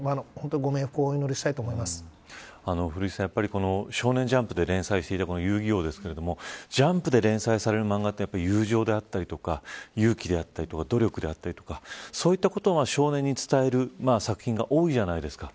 ご冥福をお祈りしたいと古市さん、少年ジャンプで連載していた遊☆戯☆王ですけれどもジャンプで連載される漫画って友情だったりとか勇気であったりとか努力だったりとかそういったことを少年に伝える作品が多いじゃないですか。